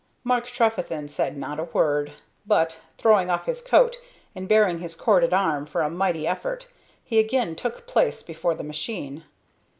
Mark Trefethen said not a word, but, throwing off his coat and baring his corded arm for a mighty effort, he again took place before the machine.